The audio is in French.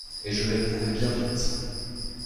Et je vais le prouver bien vite !…